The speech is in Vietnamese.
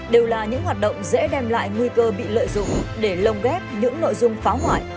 đều là những hoạt động dễ đem lại nguy cơ bị lợi dụng để lồng ghép những nội dung phá hoại